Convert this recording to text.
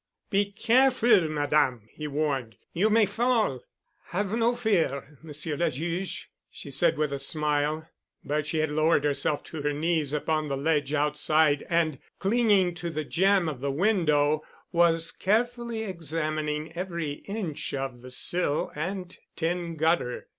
"Be careful, Madame," he warned, "you may fall." "Have no fear, Monsieur le Juge," she said with a smile. But she had lowered herself to her knees upon the ledge outside and clinging to the jamb of the window was carefully examining every inch of the sill and tin gutter.